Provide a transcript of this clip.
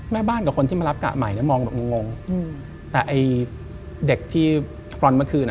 แม่บ้านกับคนที่มารับกะใหม่มองแบบงงแต่เด็กที่ฟร้อนต์เมื่อคืน